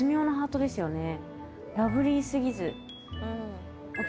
ラブリー過ぎず。